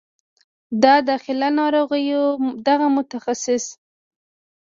د داخله ناروغیو دغه متخصص